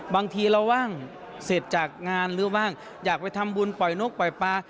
บางทีเราว่างเสร็จจากงานหรือว่างอยากไปทำบุญปล่อยนกปล่อยปลา